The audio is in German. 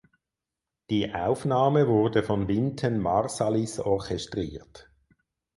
Die Aufnahme wurde von Wynton Marsalis orchestriert.